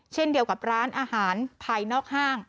เช่นเดียวกับร้านอาหารภายนอกห้าง